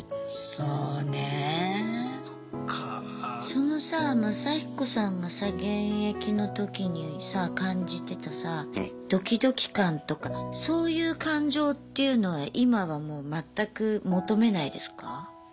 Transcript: そのさマサヒコさんがさ現役の時にさ感じてたさドキドキ感とかそういう感情っていうのは今はもう全く求めないですか？